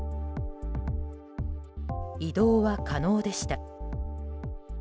移動は可能でした。